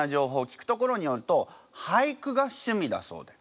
聞くところによると俳句が趣味だそうで。